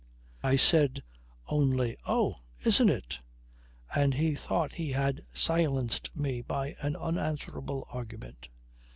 I said only "Oh! Isn't it?" and he thought he had silenced me by an unanswerable argument.